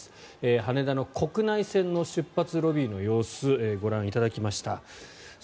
羽田の国内線の出発ロビーの様子をご覧いただきました。